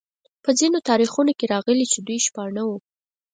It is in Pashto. په ځینو تاریخونو کې راغلي چې دوی شپانه وو.